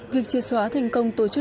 việc chìa xóa thành công tổ chức đánh bạc